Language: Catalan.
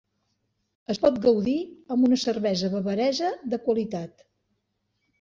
Es pot gaudir amb una cervesa bavaresa de qualitat.